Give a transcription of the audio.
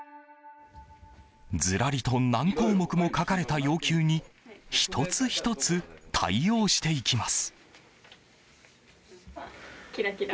ずらりと何項目も書かれた要求に１つ１つ対応していきます。